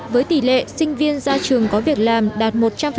với tỷ lệ sinh viên ra trường có việc làm đạt một trăm linh